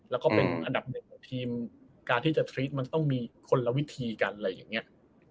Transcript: แล้วก็เป็นอันดับหนึ่งของทีมการที่จะทรีดมันต้องมีคนละวิธีกันอะไรอย่างนี้